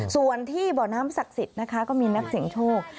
ส่วนที่บ่อน้ำศักดิ์สิตก็มีนักเสียงโทก